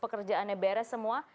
keadaannya beres semua